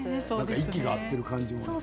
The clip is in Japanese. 息が合っている感じが。